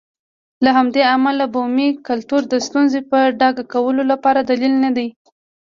له همدې امله بومي کلتور د ستونزې په ډاګه کولو لپاره دلیل نه دی.